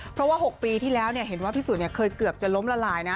เพราะว่า๖ปีที่แล้วเห็นว่าพี่สุเคยเกือบจะล้มละลายนะ